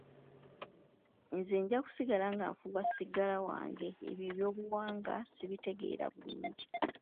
Nze nja kusigala nga nfuuwa ssigala wange, ebyo eby'obuwanga sibitegeera bulungi.